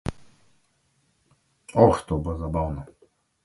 Oh, to bo zabavno!